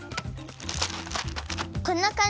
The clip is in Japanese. こんなかんじ？